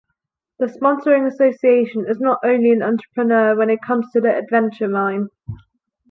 The sponsoring association is not only an entrepreneur when it comes to the "adventure mine".